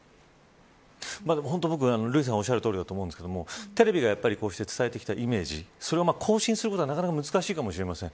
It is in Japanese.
でも本当、僕瑠璃さんのおっしゃるとおりだと思うんですがテレビが伝えてきたイメージそれを更新することは、なかなか難しいかもしれません。